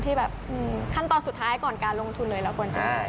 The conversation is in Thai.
ที่แบบขั้นตอนสุดท้ายก่อนการลงทุนเลยเราควรจะ